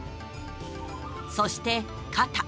そして、肩。